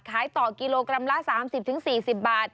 ขายต่อกิโลกรัมละ๓๐๔๐บาท